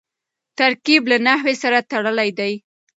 ترکیب له نحوي سره تړلی دئ.